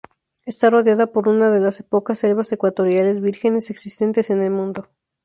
Está rodeada por una de las pocas selvas ecuatoriales vírgenes existentes en el mundo.